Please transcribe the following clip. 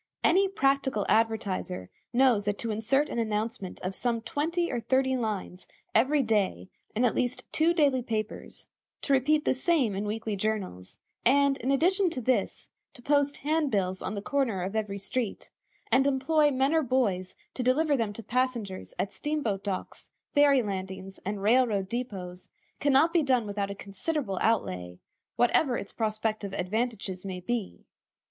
Any practical advertiser knows that to insert an announcement of some twenty or thirty lines every day in at least two daily papers, to repeat the same in weekly journals, and, in addition to this, to post handbills on the corner of every street, and employ men or boys to deliver them to passengers at steam boat docks, ferry landings, and rail road depôts, can not be done without a considerable outlay, whatever its prospective advantages may be.